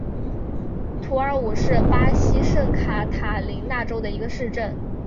图尔武是巴西圣卡塔琳娜州的一个市镇。